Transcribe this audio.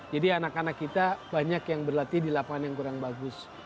jadi anak anak kita banyak yang berlatih di lapangan yang kurang bagus